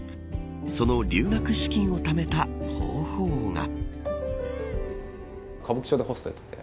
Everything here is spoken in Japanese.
その留学資金をためた方法が。